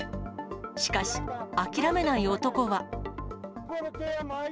しかし、諦めない男は。